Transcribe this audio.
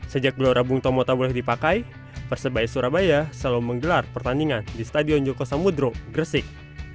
sejak gelora bung tomo tak boleh dipakai persebaya surabaya selalu menggelar pertandingan di stadion joko samudro gresik